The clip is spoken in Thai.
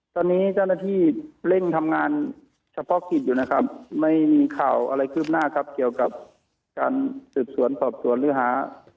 ตอนนี้เจ้าหน้าที่เร่งทำงานเฉพาะกิจอยู่นะครับไม่มีข่าวอะไรคืบหน้าครับเกี่ยวกับการสืบสวนสอบสวนหรือหา